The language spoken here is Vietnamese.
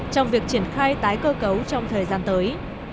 trong việc triển khai tái cơ cấu trong thời gian tới